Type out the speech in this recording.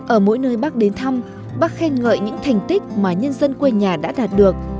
ở mỗi nơi bác đến thăm bác khen ngợi những thành tích mà nhân dân quê nhà đã đạt được